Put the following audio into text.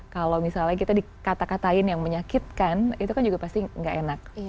kalau misalnya kita dikata katain yang menyakitkan itu kan juga pasti nggak enak